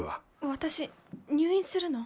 私入院するの？